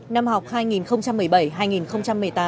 năm học hai nghìn một mươi bảy hai nghìn một mươi tám